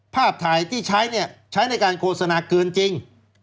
ภาพถ่ายที่ใช้เนี่ยใช้ในการโฆษณาเกินจริง